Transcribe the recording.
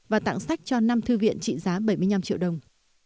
và tặng sách cho năm thư viện trị giá bảy mươi năm triệu đồng